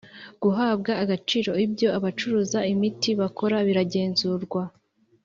guhabwa agaciro ibyo abacuruza imiti bakora biragenzurwa